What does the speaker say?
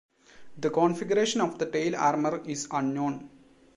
The configuration of the tail armour is unknown.